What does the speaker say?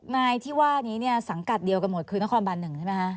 นายที่ว่านี้เนี่ยสังกัดเดียวกันหมดคือนครบัน๑ใช่ไหมคะ